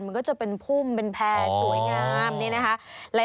มันก็จะเป็นพุ่มเป็นแพร่สวยงามนี่นะคะ